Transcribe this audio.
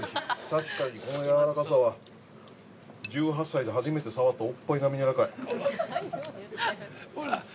◆確かに、このやわらかさは、１８歳で初めてさわった、おっぱいなみにやわらかい。